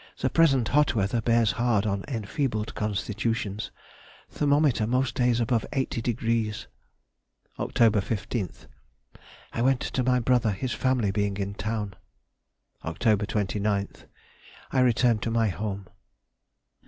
The present hot weather bears hard on enfeebled constitutions. Thermometer most days above 80 degrees. Oct. 15th.—I went to my brother, his family being in town. Oct. 29th.—I returned to my home.